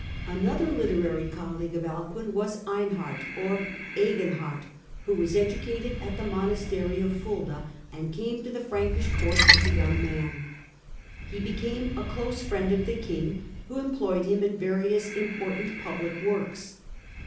Another literary colleague of Alcuin was Einhard (or Einhard Eginhard), who was educated at the monastery of Fulda and came to the Frankish Court as a young man. He became a close friend of the king, who employed him in various important public works.